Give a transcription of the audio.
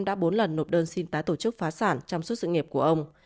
đã bốn lần nộp đơn xin tái tổ chức phá sản trong suốt sự nghiệp của ông